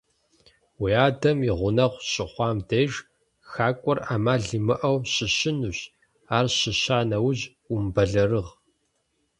Уи адэм и гъунэгъу щыхъуам деж, хакӀуэр Ӏэмал имыӀэу щыщынущ, ар щыща нэужь, умыбэлэрыгъ.